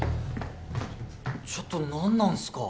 ちょっと何なんすか？